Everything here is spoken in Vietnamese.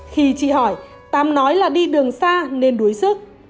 khi chị hỏi tám nói là đi đường xa nên đuối sức